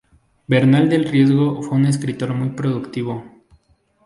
Bernal del Riesgo fue un escritor muy productivo.